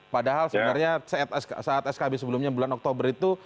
padahal sebenarnya saat skb sebelumnya bulan oktober itu